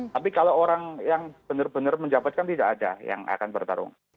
tapi kalau orang yang benar benar menjabatkan tidak ada yang akan bertarung